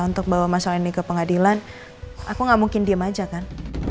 untuk bawa masalah ini ke pengadilan aku gak mungkin diem aja kan